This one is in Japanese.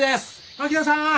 槙野さん